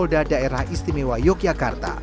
pespolda daerah istimewa yogyakarta